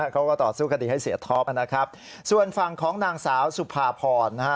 เขาก็ต่อสู้คดีให้เสียท็อปนะครับส่วนฝั่งของนางสาวสุภาพรนะฮะ